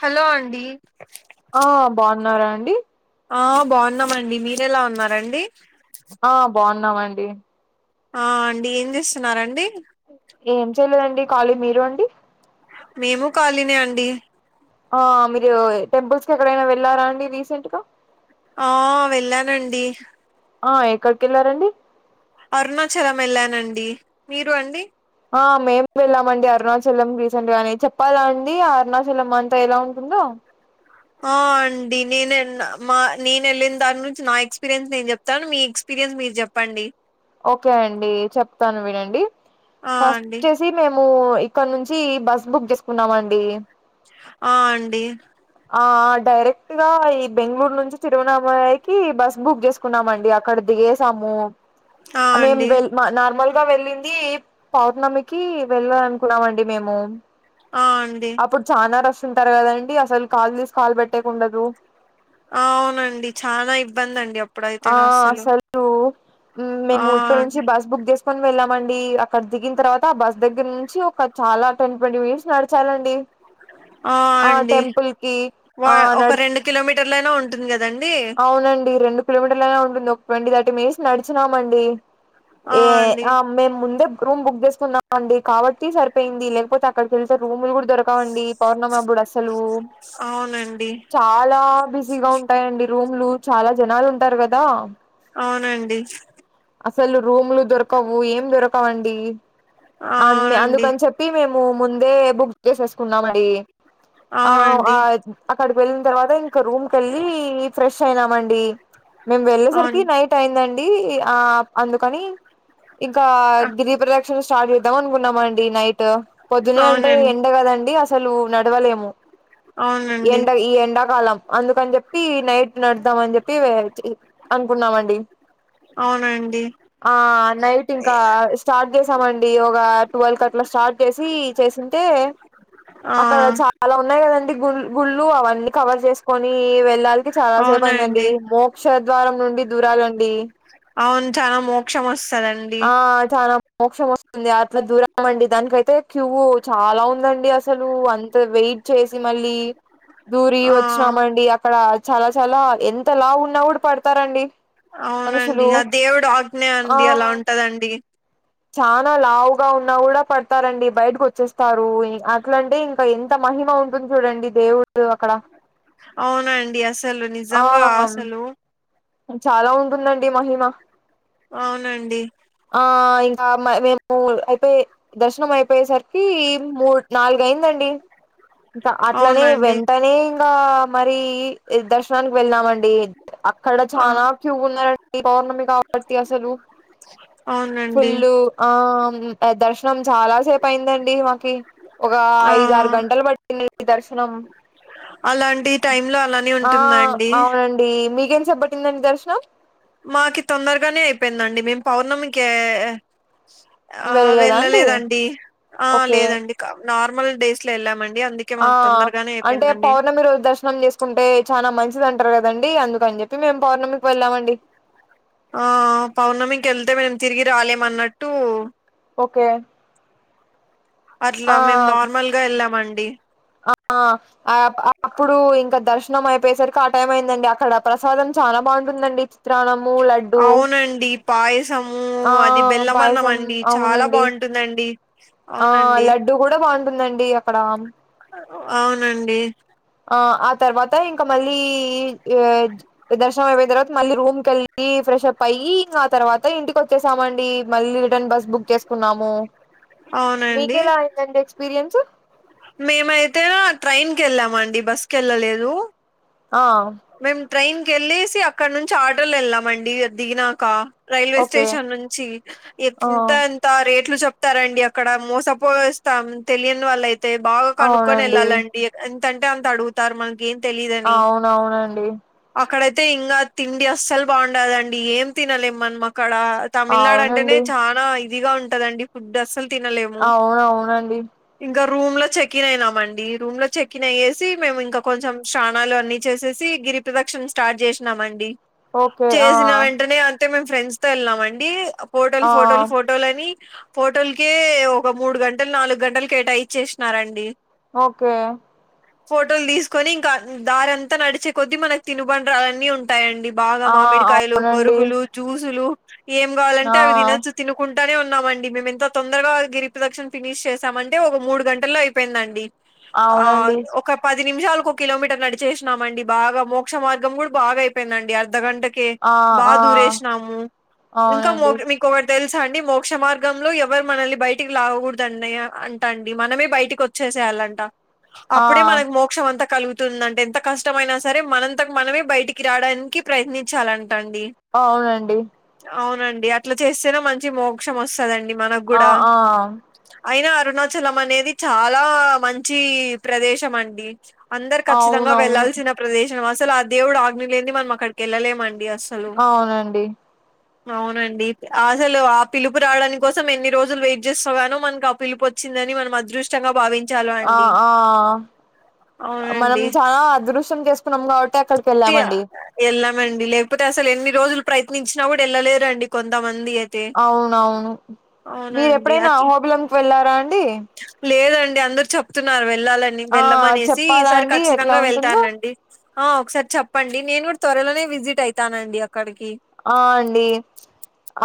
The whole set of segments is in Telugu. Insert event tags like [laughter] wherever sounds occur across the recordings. హలో అండి ఉన్నారా అండి ఆ బాగున్నామండి మీర ఎలా ఉన్నారండి ఆ బాగున్నామండి ఆ అండి ఏం చేస్తున్నారండి ఏం చేయలేదండి కాలీ మీరు అండి మేము కాలినే అండి ఆ మీరు టెంపుల్స్ కి ఎక్కడైనా వెళ్ళారా అండి రీసెంట్ గా ఆ వెళ్ళానండి ఆ ఎక్కడికి వెళ్ళారండి అరుణాచలం వెళ్లానండి మీరు అండి ఆ మేము వెళ్ళామండి అరుణాచలం రీసెంట్ గానే చెప్పాలా అండి అరుణాచలం అంతా ఎలా ఉంటుందో ఆ అండి నేను మా నేను వెళ్ళిన దాని నుంచి నా ఎక్స్పీరియన్స్ నేను చెప్తాను మీ ఎక్స్పీరి ఎక్స్పర్రియన్స్ మీరు చెప్పండి ఓకే అండి చెప్తాను వినండి ఆ ఫస్ట్ అండి వచ్చేసి మేము ఇక్కడ నుంచి బస్ బుక్ చేసుకున్నామ అండి ఆ అండి ఆ డైరెక్ట్ గా ఈ బెంగళూరు నుంచి తిరువనామయకి బస్ బుక్ చేసుకున్నామండి అక్కడ దిగి దిగేసాము ఆ మే అండి వెల్ నార్మల్ వెళ్ళింది పౌర్ణమికి వెళ్ళాల అనుకున్నామండి మేము ఆ అండి అప్పుడు చానా రష్ ఉంటారు కదాండి అసలు కాల్ తీసి కాల్ పెట్టేకుండరు అవునండి చానా ఇబ్బంది అండి అప్పుడైతే ఆ నా అస్సలు అసలు ము ఆ మేము ఇక్కడి నుంచి అండి బస్ బుక్ చేస్తాం కోని వెళ్ళామండి అక్కడ దిగిన తర్వాత ఆ బస్ దగ్గర నుంచి ఒక చాలా ట్వీ ట్వంటీ మినిట్స్ నడిచాలండి ఆ టెంపుల్ కి ఆ ఒక నడు రెండు కిలోమీటర్లయినా ఉంటుంది కదండి అవునండి రెండు కిలోమీటర్ల అనా ఉంటుంది ఒక ట్వంటీ థర్టీ మినిట్స్ నడిచినామండి. ఆ ఏ అండి ఆ మే ముందే రూమ్ బుక్ చేసుకున్నాం అండి కాబట్టి సరిపోయింది లేకపోతే అక్కడికేలితే రూములు కూడా దొరకవండి పౌర్ణమాప్పుడు అసలు అవునండి చాలా బిజీగా ఉంటాయండి రూమ్లు చాలా జనాలు ఉంటారు కదా అవునండి అసలు రూమ్లు దొరకవు ఏం దొరకవండి అ అవునండి అందుకని చెప్పి మేము రూమ్ ముందే బుక్ చేసేసుకున్నమండి ఆ ఆ అవునండి అక్కడికి వె తర్వాత ఇంక రూమ్ కెళ్ళి ఫ్రెష్ అయినామండి మేము వెళ్ళేసరికి అవును నైట్ అయిందండి ఆ అందుకని ఇంకా ఆ, గిరి ప్రదక్షిణ స్టార్ట్ వద్దాం అనుకున్నామండి నైట్ పొద్దునే అంటే అవునండి ఎండ కదండి అసలువు నడవలేము అవునండి ఎండ ఈ ఎండాకాలం అందుకని చెప్పి నైట్ నడద్దాం అని చెప్పి అనుకున్నామండి అవునండి ఆ నైట్ ఇంకా స్టార్ట్ చే స్తామండి ఒక ట్వెల్వ్ అట్లా స్టార్ట్ చేసి చేసింటే ఆ అక్కడ చాలా ఉన్నాయి కదండి గు గుళ్ళు అవన్నీ కవర్ చేస్ కొని వెళ్లాల్కి చాలాసేపు అయిందండి అవునండి మోక్ష ద్వారం నుండి దూరాలండి అవును చాలా మోక్షం వస్తుంది ఆ చాన మోక్షం వస్తుంది అట్లా దూరమండి దానికైతే క్యూ చాలా ఉందండి అసలు అంత వెయిట్ చేసి మళ్ళీ దూరి ఆ వచ్చినామండి అక్కడ చాలా చాలా ఎంత లావ్ ఉన్నా కూడా పడతారండి అవునండి మనుషులు ఆ దేవుడు ఆగ్నే అండి అలా ఉంటదండి చనా లావుగా ఉన్నా కూడా పడతారండి బయటకు వచ్చేస్తారు అట్లంటే ఇంకా ఎంత మ మహిమ ఉంటుంది చూడండి దేవుడు అక్కడ అవునండి అసలు ఆ నిజంగా అసలు చాలా ఉంటుందండి మహిమ అవునండి ఇంకా ఆ మేము అయిపోయ దర్శనం అయిపోయేసరికి మూడు నాలుగు అయిందండి. [inaudible] ఇంకా అట్లనే అవునండి వెంటనే ఇంకా మరి దర్శనానికి వెళ్ళామండి అక్కడ ఆ చానా క్యూ ఉన్నారండి పౌర్ణమి కాబట్టి అసలు అవునండి ఫుల్లు ఆ దర్శనం చాలా సేపు అయిందండి మాకి ఒక ఆ ఐద ఆరు గంటలు పట్టి అలాంటి టైమ్ లో అలానే ఆ ఉంటుందండి అవునండి మీ ఎంతసేపు పట్టిందండి దర్శనం మాకి తొందరగానే అయిపోయిందండి మేము పౌర్ణమికె ఆ వెళ్ళలేదా అండి వెళ్ళలేదండి ఆ ఓకే లేదండి నార్మల్ డేస్ లో వెళ్ళామండి ఆ అంటే పౌర్ణమి రోజు దర్శనం చేసుకుంటే చాలా మంచిది అంటారు కదండి అందు అని చెప్పి మేము పౌర్ణమికి వెళ్ళామండి ఆ పౌర్ణమికి వెళ్తే మేము తిరిగి రాలేమన్నట్టు ఓకే అట్లా ఆ మేము నార్మల్గా వెళ్ళామండి ఆ అప్పుడు ఇంకా దర్శ నం అయిపోయేసరికి ఆ టైం అయిందండి అక్కడ ప్రసాదం చానా బాగుంటుందండి త్రానము లడ్డూ అవునండి. పాయసము ఆ అది బెల్లమన్నం పాయసం అండి. చాలా అవునండి బావుంటుందండి. ఆ అవునండి. లడ్డూ కూడా బాగుంట ఉంటుందండి అక్కడ అవునండి ఆ ఆ తర్వాత ఇంకా మళ్ళీ దర్శనం అయిపోయిన తర్వాత మళ్ళీ రూమ్ కెళ్ళి ఫ్రెష్ అప్ అయ్యి ఇంకా ఆ తర్వాత ఇంటికి వచ్చేసామండి మళ్ళీ రిటర్న్ బస్ బుక్ చేసుకున్నాము అవునండి. మీకెలా అయిందండి ఎక్స్పీరియన్స్ మేమైతే ట్రైన్ కెళ్ళామండి బస్ కెళ్ళలేదు ఆ ట్రైన్ కెళ్ళేసి అక్కడ నుంచి ఆటోలు వెళ్ళామండి దిగినాక రైల్వే ఓకే స్టేషన్ నుంచి ఎ ఆ ఎంత ఎంత రేట్లు చెప్ప తారండి అక్కడ మోసపోయి వస్తాం తెలియని వాళ్ళయితే బాగా కనుక్కొని అవునండి యెళ్ళాలండి ఎంతంటే అంత అడుగుతారు మనకు ఏం తెలీయదని అవునవునండి అక్కడ అయితే ఇంకా తిండి అస్సలు బాగుండదండి ఏం తినలేము మనం మ క్కడ తమిళనాడు అంటేనే అవునండి చానా ఇదిగా ఉంటదండి ఫుడ్ అసలు అవునవునండి ఇంకా రూమ్ లో చెకిన్ అయినాం అండి రూమ్ లో చెకిన్ అయ్యేసి మేము ఇంకా కొంచెం స్నానాలు అన్ని చేేసేసి గిరి ప్రదర్శన స్టార్ట్ చేసినామండి ఓకే ఆ చేసిన వెంటనే అయితే మేం ఫ్రెండ్స్ తో వెళ్ళాం అండి ఫోటోలు ఆ ఫోటోలు ఫోటోలు అని ఫోటోలకే ఒక మూడు గంటలు నాలుగు గంటలు కేటాయి ఇచ్చేసినారండి ఓకే ఫోటోలు తీసుకొని ఇంకా దారంతా నడిచే కొద్దీ మనకి తినుబండాలు అన్నీ ఉంటాయండి బాగా ఆ మామిడికాయలు అవునండి బొరుగులు జ్యూసులు ఏం ఆ కావాలంటే అవి తినొచ్చు తినుకుం టనే ఉన్నామండి మేము ఇంత తొందరగా గిరిప్రదర్శన ఫినిష్ చేశామంటే ఒక మూడు గంటల్లో అయిపోయిందండి. ఆ అవునండి ఒక పది పది నిమిషాలకు ఒక కిలోమీటర్ నడిచేసినామండి బాగా మోక్ష మార్గం కూడా బాగా అయిపోయిందండి. అద్దగంటకే ఆ బాగా ఆ దూరేసినాము ఇంకా అవునండి మీకొటి తెలుసా అండి మోక్ష మార్గంలో ఎవరు మనల్ని బయటికి లాగగూడదండి అంటాండి మనమే బయటికి వచ్చేసేయాలంట ఆ అప్పుడే మనకు మోక్షం అంత కలుగుతుందంట ఎంత కష్టమైనా సరే మనంత మనమే బయటికి రావడానికి ప్రయత్నించాలంట అండి అవునండి అవునండి అట్లా చేస్తేనే మంచి మోక్షం వస్తదండి మనకు ఆ గూడా ఆ అయినా అరుణాచలం అనేది చాలా మంచి ప్రదేశం అండి అందరు ఖచ్చితంగా అవునవును వెళ్లాల్సిన ప్రదేశం అసలు ఆ దేవుడు ఆజ్ఞ లేని మనం అక్కడికి వెళ్ళలేమండి అ అవునండి అవునండి అసలు ఆ పిలుపు రావడాని కోసం ఎన్ని రోజులు వెయిట్ చేస్తవానో మనకి ఆ పిలుపు వచ్చిందని మనం అదృష్టంగా భావించి ఆ ఆ మనం అవునండి చాలా అదృష్టం చేసుకున్నాం కాబట్టి అక్కడికి వెళ్ళామండి వెళ్ళామండి లేకపోతే అసలు ఎన్ని రోజులు ప్రయత్నించినా కూడా వెళ్ళలేరండి కొంతమంది అయితే అవును అవును మీరు అవునండి ఎప్పుడైనా అట్లా అహోబిలంకి వెళ్ళారా అండి. లేదండి అందరు చెప్తున్నారు వెళ్ళాలని ఆ వెళ్ళమనేసి చెప్పాలా ఈసారి అండి ఎట్లా ఖచ్చితంగా ఉంటుందో వెళ్తానండి ఆ ఒకసారి చెప్పండి నేను కూడా త్వరలోనే విజిట్ అయితానండి. అక్కడికి ఆ అండి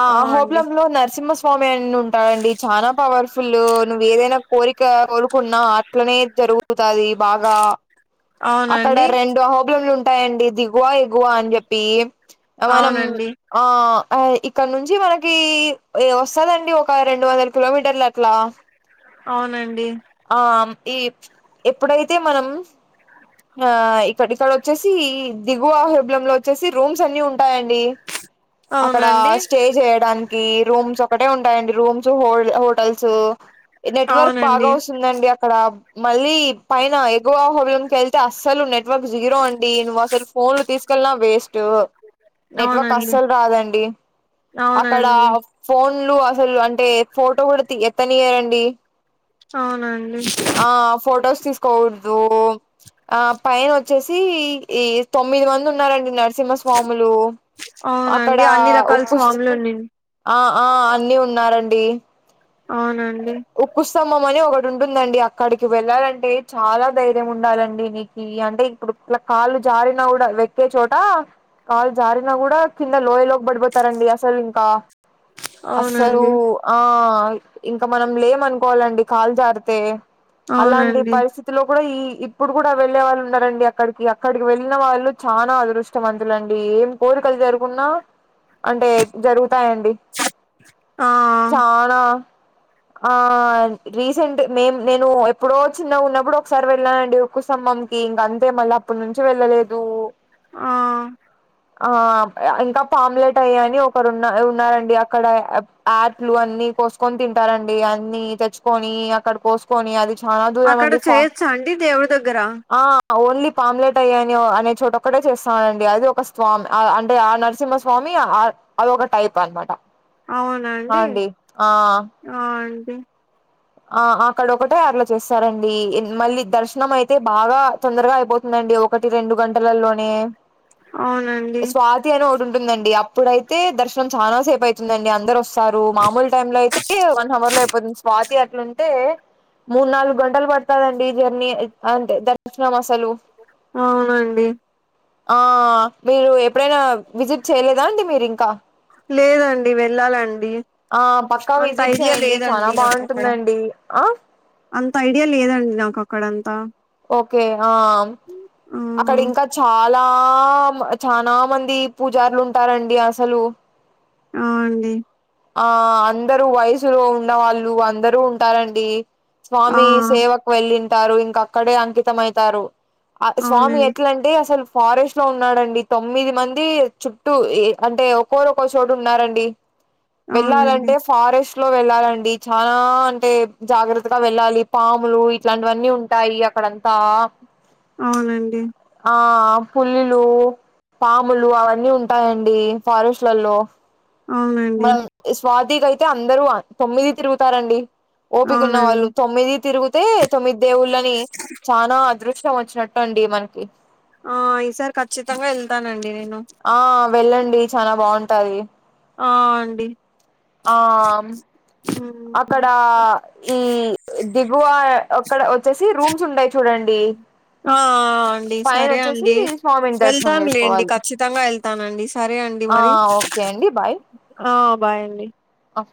ఆ అహోబిలంలో నర్సింహస్వామి అని ఉంటాడండి చానా పవర్ఫుల్ ఫుల్లు నువ్వు ఏదైనా కోరిక కోరుకున్నా అట్లనే జరుగుతాది బాగా అక్కడ అవునండి రెండు అహోబిలంలు ఉంటాయండి దిగువ ఎగువ అని చెప్పి మనం అవునండి ఆ ఆ ఇక్కడ నుంచి మనకి ఏ వస్తదండి ఒక రెండు వందల కిలోమీటర్లు అట్లా అవునండి ఆ ఈ ఎప్పుడైతే మనం ఆ ఇక్కడ ఇక్కడ వచ్చేసి దిగువ హెబ్లలో వచ్చేసి రూమ్స్ అన్ని ఉంటాయండి అక్కడ అవునండి స్టే చేయడానికి రూమ్స్ ఒకటే ఉంటాయిడి రూమ్స్ హోటల్స్ నెట్వర్క్ బాగా అవునండి వ స్తుందండి అక్కడ మళ్ళీ పైన ఎగువ అహోబ్లం క వెళ్తే అస్సలు నట్ వర్క్ జీరో అండి నువ్వు అసలు ఫోన్లు తీసుకెళ్నా వేస్ట్ నెట్వర్క్ అవునండి అస్సలు రాదండి అక్కడ అవునండి ఫోన్ లు అసలు అంటే ఫోటో కూడా ఎత్తనియ్యారండి అవునండి ఆ ఫోటోస్ తీసు కోదు ఆ పైన వచ్చేసి ఈ తొమ్మిది మంది ఉన్నారండి నరసింహస్వామి లు అక్కడ అవునండి అన్ని రకాల ఉకు స్వాములు ఉన్నిన్ అన్ని ఉన్నారండి డి అవునండి సోమ్మ మని ఒక ఉంటుందండి అక్కడికి వెళ్ళాలంటే చాలా ధైర్యం ఉండాలండి నీకు అంటే ఇప్పుడు ఇలా కాళ్ళు జారిన కూడాడ వెక్కే చోట కాల్ జారిన కూడా కింద లోయ్ లో పడిపోతారండి అసలు ఇంకా అస్సలు అవునండి ఆ ఇంకా మనం లేము అనుకోవాలండి కాలు జారితే అలాంటి అవునండి పరిస్థితిలో కూడా ఈ ఇప్పుడు కూడా వెళ్ళే వాళ్ళు ఉన్నారండి అక్కడికి అక్కడికి వెళ్ళిన వాళ్ళు చాలా అదృష్టవంతులుండి ఏం కో లు జరుకున్నా అంటే జరుగుతాయండి ఆ చానా ఆ రీసెంట్ మేం నేను ఎప్పుడో చిన్న ఉన్నప్పుడు ఒకసారి వెళ్ళానండి కూసమ్మ కి ఇంక అంతే మళ్ళీ అప్పటి నుంచి వెళ్ళలేదు ఆ ఆ ఇంకా పామ్లెట్ అయ అని ఒకరు ఉన్న ఉన్నారండి అక్కడ యాప్లు అన్ని కోసుకొని తింటారండి అన్ని తెచ్చుకొని అక్కడ కోసుకొని అది బాగా అక్కడ దూరమండి ఫ చేయొచ్చా అండి దేవుడి దగ్గర ఆ ఓన్లీ పామ్లెట్ అయ్యానయో అనే చోట ఒక్కటే చేస్తానండి అది ఒక స్వామి అంటే ఆ నరసింహ స్వామి అదొక టైప్ అనమాట అవునండి అండి ఆ ఆ అండి ఆ అక్కడ ఒకటే అట్లా చేస్తారండి మళ్ళీ దర్శనం అయితే బాగా తొందరగా అయిపోతుంది అండి ఒకటి రెండు గంటలలోనే అవునండి స్వాతి అని ఒకటి ఉంటుందండి అప్పుడయితే దర్శనం చాలా సేపు అవుతుందండి అందరు వస్తు సారు మామూలు టైమ్ లో అయితే వన్ హవర్ లో అయిపోతుంది స్వాతి అట్లుంటే మూడు నాలుగు గంటలు పడుతదండి జర్నీ అంటే దర్శనం వ అవునండి ఆ మీరు ఎప్పుడైనా విజిట్ చేయలేదా అండి మీరు ఇంకా లేదండి వెళ్ళాలండి ఆ పక్కా అంత విజిట్ ఐడియా చేయండి చాలా లేదండి నాకు అక్కడ బాగుంటుందండి ఆ అంత ఐడియా లేదండి నాకు అక్కడంతా ఓకే ఆ ఆ అక్కడ ఇంకా చాలా చాల చనా మంది పూజారులు ఉంటారండి అసలు ఆ అండి ఆ అందరూ వయసులో ఉన్నవాళ్ళు అందరు ఉంటారండి ఆ స్వామి సేవకు వెళ్ళింటారు ఇంక అక్కడే అంకితం అవుతారు ఆ స్వామి అవునండి ఎట్లంటే అసలు ఫారెస్ట్ లో ఉన్నాడండి తొమ్మిది మంది చుట్టూ ఏ అంటే ఒకోరు ఒకరు చోటు ఉన్నారండి అవునండి వెళ్ళాలంటే ఫారెస్ ట్లో వెళ్ళాలండి చానా అంటే జాగ్రత్తగా వెళ్ళాలి పాములు ఇట్లాంటివన్నీ ఉంటాయి అ కడంతా అవునండి ఆ పుల్లిలు పాములు అవన్నీ ఉంటాయండి ఫారెస్ట్లలో అవునండి ఈ స్వాతికి అయితే అందరూ తొమ్మిది తిరుగుతారండి ఓపికున్న వాళ్ళు అవునండి తొమ్మిది తిరుగితే తొమ్మిది దేవుళ్ళని చాలనా అదృష్టం వచ్చినట్ ట్టండి మనకి ఆ ఈసారి ఖచ్చితంగా వెళ్తానండి నేను ఆ వెళ్ళండి చానా బాంటాది ఆ అండి ఆ హ్మ్. అక్కడ ఈ దిగువ అక్కడ వచ్చేసి రూమ్స్ ఉంటయి చూడండి ఆ అండి పైన సరే వచ్చేసి అండి స్వామిని దర్శనం వెళ్తాను లేండి చేసుకోవాలి ఖచ్చితంగా వెళ్తానండి సరే అండి ఆ మరి ఓకే ఆ బాయ్ అండి ఆహ